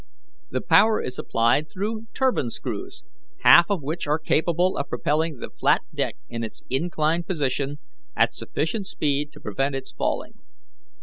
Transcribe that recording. The power is applied through turbine screws, half of which are capable of propelling the flat deck in its inclined position at sufficient speed to prevent its falling.